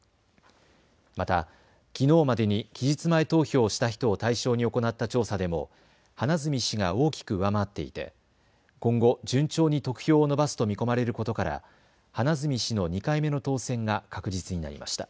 また、きのうまでに期日前投票をした人を対象に行った調査でも花角氏が大きく上回っていて今後、順調に得票を伸ばすと見込まれることから花角氏の２回目の当選が確実になりました。